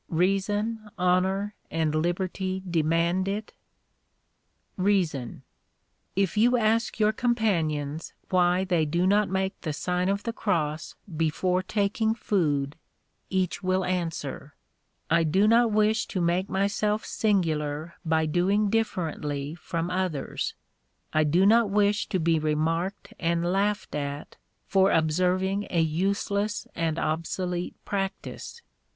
Reason, honor, and liberty demand it ? Reason. If you ask your companions why they do not make the Sign of the Cross before taking food, each will answer: "I do not wish to make myself singular by doing differently from others : I do not wish to be remarked and laughed at for observing a useless and obsolete practice.